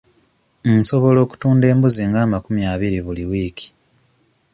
Nsobola okutunda embuzi nga amakumi abiri buli wiiki.